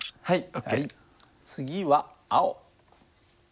はい次は青。